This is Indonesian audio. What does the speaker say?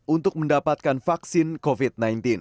untuk mendapatkan vaksin covid sembilan belas